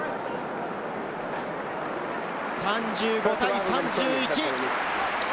３５対３１。